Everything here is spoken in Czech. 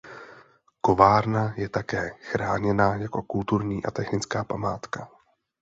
Kovárna je také chráněna jako kulturní a technická památka.